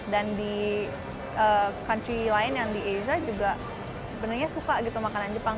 dan di country lain yang di asia juga benarnya suka makanan jepang